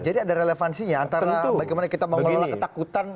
jadi ada relevansinya antara bagaimana kita mengelola ketakutan